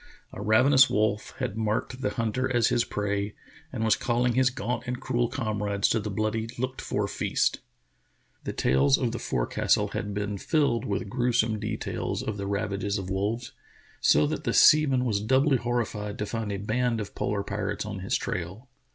A ravenous wolf had marked the hunter as his prey and was calling his gaunt and cruel comrades to the bloody, looked for feast. The tales of the forecastle had been filled with grew yS True Tales of Arctic Fleroism some details of the ravages of wolves, so that the sea man was doubly horrified to find a band of polar pirates on his trail.